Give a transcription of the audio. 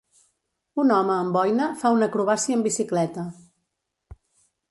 Un home amb boina fa una acrobàcia amb bicicleta.